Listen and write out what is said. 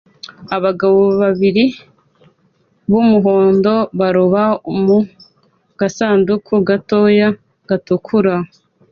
Abagabo babiri b'umuhondo baroba mu gasanduku gato gatukura